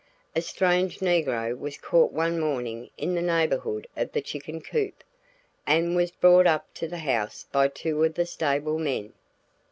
A strange negro was caught one morning in the neighborhood of the chicken coop, and was brought up to the house by two of the stable men.